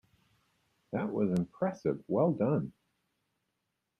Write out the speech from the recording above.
That was impressive, well done!.